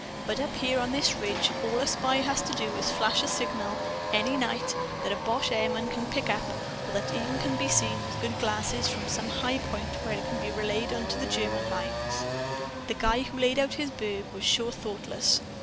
But up here on this ridge, all a spy has to do is to flash a signal, any night, that a boche airman can pick up or that can even be seen with good glasses from some high point where it can be relayed to the German lines. The guy who laid out this burg was sure thoughtless.